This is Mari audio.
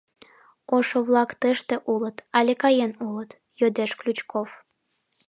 — Ошо-влак тыште улыт але каен улыт? — йодеш Ключков.